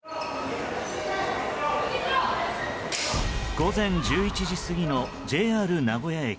午前１１時過ぎのＪＲ名古屋駅。